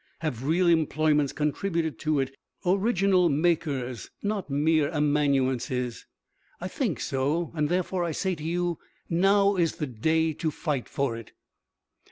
Have real employments contributed to it original makers, not mere amanuenses? I think so, and therefore I say to you, now is the day to fight for it."